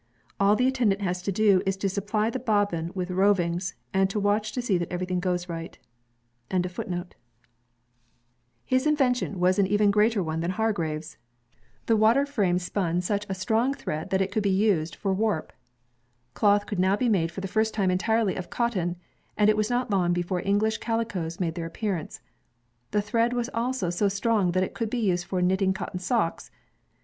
All the attendant has to do is to supply the bobbin with rovings, and to watch to see that everything goes right. SPINNING MACHINES 97 The water frame spun such a strong thread that it could be used for warp. Cloth could now be made for the first time entirely of cotton, and it was not long before English calicoes made their appearance. The thread was also so strong that it could be used for knitting cotton socks.